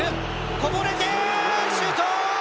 こぼれてシュート！